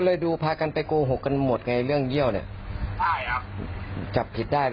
มันออกตัวไปพึ่งพอไปแล้วแล้วมันมันติดได้ที่หลังกับเขา